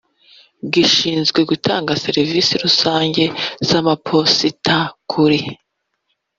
gishinzwe gutanga serivisi rusange z amaposita kuri